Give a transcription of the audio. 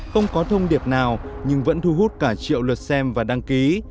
không có thông điệp nào nhưng vẫn thu hút cả triệu lượt xem và đăng ký